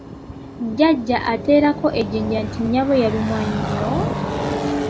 Jjajja anteerako ejjinja nti nnyabo yalumwa nnyo!